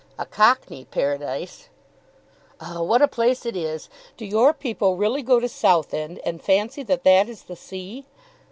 "A cockney Paradise." "Oh, what a place it is! Do your people really go to Southend and fancy that that is the sea?"